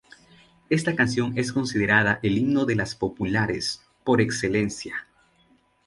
Esta canción es considerada el himno de "Las Populares" por excelencia.